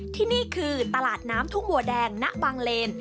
ที่นี่คือตลาดน้ำทุ่งบัวแดงณบางเลน